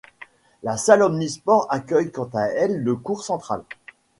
La salle omnisports accueille quant à elle le court central.